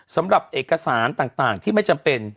สำหรับเอกสารต่างที่ไม่จำเป็น